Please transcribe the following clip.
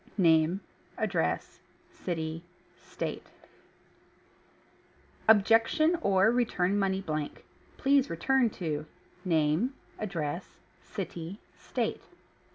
Name Address. City State ... Objection, or return money blank. Please return to Name Address . City State